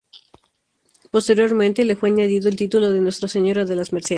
Posteriormente, le fue añadido el título de Nuestra Señora de las Mercedes.